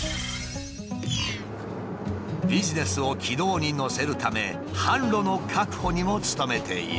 ビジネスを軌道に乗せるため販路の確保にも努めている。